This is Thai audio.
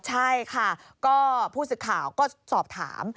ใช่ค่ะก็ผู้สื่อข่าวก็สอบถาม